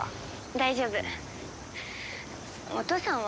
大丈夫お父さんは？